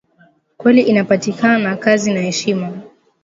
Kweli inapatianaka kazi na heshima